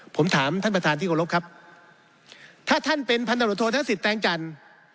ผมถามท่านประธานที่เคารพครับถ้าท่านเป็นพันธบทโทษธนสิทธิแตงจันทร์